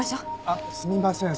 あっすみません。